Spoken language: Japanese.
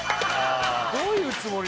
どういうつもり？